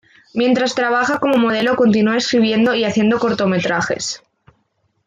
Mientras trabaja como modelo continúa escribiendo y haciendo cortometrajes.